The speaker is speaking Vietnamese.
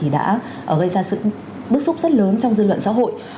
đã gây ra sự bức xúc rất lớn trong dư luận xã hội